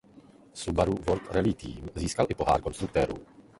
Subaru World Rally Team získal i pohár konstruktérů.